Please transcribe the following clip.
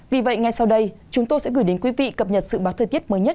vì vậy ngay sau đây chúng tôi sẽ gửi đến quý vị cập nhật sự báo thời tiết mới nhất